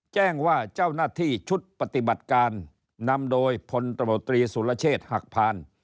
แจ้งว่าเจ้าหน้าที่ชุดปฏิบัติการนำโดยพลตมตรีสุรเชษฐ์หักพาน